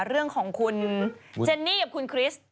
เรื่องของคุณเจนนี่กับคุณคริสต์